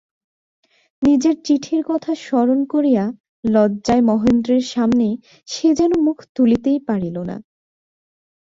নিজের চিঠির কথা স্মরণ করিয়া লজ্জায় মহেন্দ্রের সামনে সে যেন মুখ তুলিতেই পারিল না।